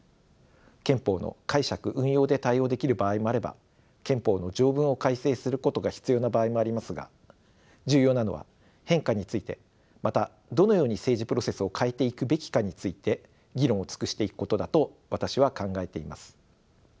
憲法の解釈運用で対応できる場合もあれば憲法の条文を改正することが必要な場合もありますが重要なのは変化についてまたどのように政治プロセスを変えていくべきかについて議論を尽くしていくことだと私は考えています。